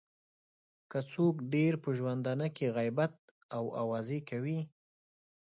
که څوک ډېر په ژوندانه کې غیبت او اوازې کوي.